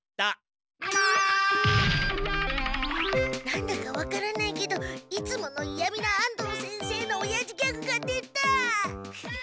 なんだかわからないけどいつものイヤミな安藤先生のおやじギャグが出た。